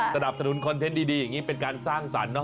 สนับสนุนคอนเทนต์ดีเป็นการสร้างสรรค์เนอะ